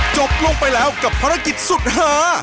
จบลงไปแล้วกับภารกิจสุดหา